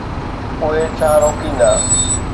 اهي ڇا روڪيندا؟